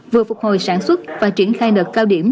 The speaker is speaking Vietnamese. vừa phục hồi sản xuất và triển khai đợt cao điểm